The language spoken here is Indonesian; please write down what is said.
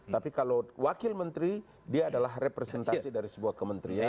tapi kalau wakil menteri dia adalah representasi dari sebuah kementerian